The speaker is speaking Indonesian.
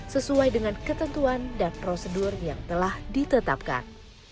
sesuai dengan ketentuan dan prosedur yang telah ditetapkan